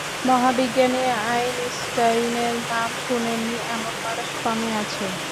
মহাবিজ্ঞানী আইনস্টাইনের নাম শোনেননি এমন মানুষ কমই আছেন।